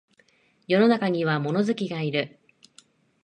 世の中には物好きがいる